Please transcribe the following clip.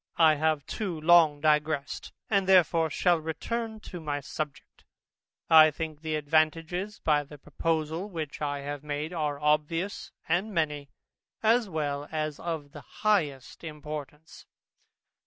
I have too long digressed, and therefore shall return to my subject. I think the advantages by the proposal which I have made are obvious and many, as well as of the highest importance.